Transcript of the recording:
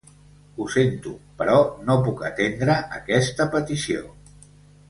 Ho sento, però no puc atendre aquesta petició.